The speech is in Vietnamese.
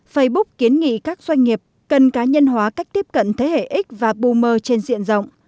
facebook kiến nghị các doanh nghiệp cần cá nhân hóa cách tiếp cận thế hệ x và boomer trên diện rộng